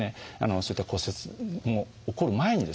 そういった骨折の起こる前にですね